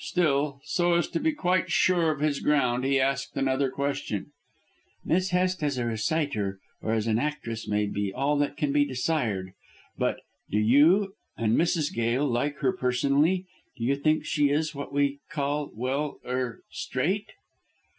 Still, so as to be quite sure of his ground, he asked another question: "Miss Hest as a reciter or an actress may be all that can be desired, but do you and Mrs. Gail like her personally; do you think she is what we call well er straight?"